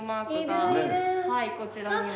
はいこちらにも。